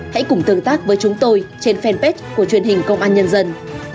hãy cùng tương tác với chúng tôi trên fanpage của truyền hình công an nhân dân